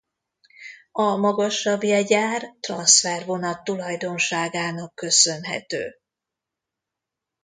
A magasabb jegyár transzfer-vonat tulajdonságának köszönhető.